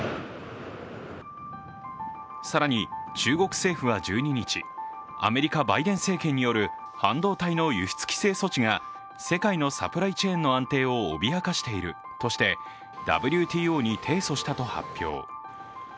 更に、中国政府は１２日、アメリカ・バイデン政権による半導体の輸出規制措置が世界のサプライチェーンの安定を脅かしているとしてＷＴＯに提訴したと発表。